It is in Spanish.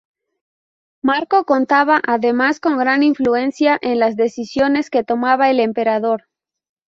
Marco contaba además con gran influencia en las decisiones que tomaba el emperador.